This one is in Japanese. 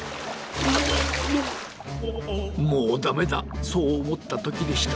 もうダメだそうおもったときでした。